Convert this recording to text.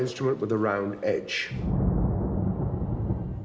instrumen yang ringan dengan sisa